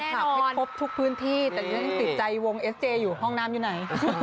ได้แฟนคลับให้ครบทุกพื้นที่แต่ยังติดใจวงเอสเจอยุห้องน้ำอยู่ไหน